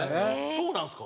そうなんですか？